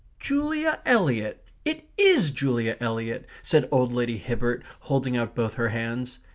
"Julia Eliot. It IS Julia Eliot!" said old Lady Hibbert, holding out both her hands.